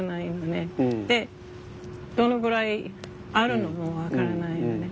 でどのぐらいあるのも分からないのね。